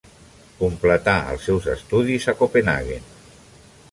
Completà els seus estudis a Copenhaguen.